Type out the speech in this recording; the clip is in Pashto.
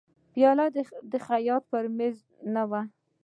پیاله د خیاط پر مېز نه وي.